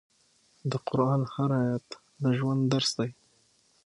د قرآن هر آیت د ژوند درس دی.